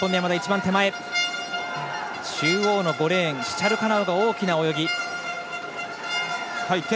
中央の５レーンシチャルカナウ、大きな泳ぎ。